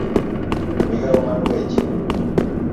Migawo mar weche